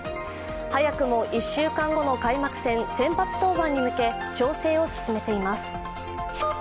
早くも１週間後の開幕戦、先発登板に向け、調整を進めています。